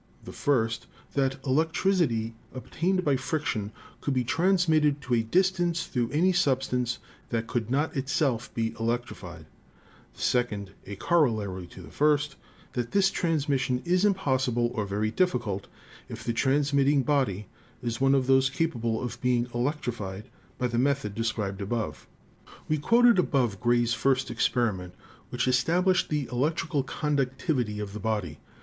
"The first, that electricity obtained by friction could be transmitted to a distance through any substance that could not itself be electrified; the second, a corollary to the first, that this transmission is impossible, or very difficult, if the transmitting body is one of those capable of being electri fied by the method described above. ELECTROSTATICS 159 "We quoted above Gray's first experiment, which estab lished the electrical conductivity of the body.